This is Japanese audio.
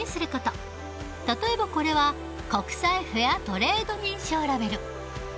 例えばこれは国際フェアトレード認証ラベル。